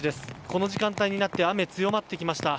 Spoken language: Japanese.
この時間帯になって雨、強まってきました。